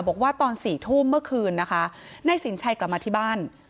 บอกว่าตอน๔ทุ่มเมื่อคืนนะคะนายสินชัยกลับมาที่บ้าน